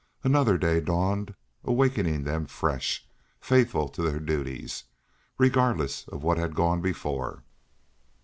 Another day dawned, awakening them fresh, faithful to their duties, regardless of what had gone before.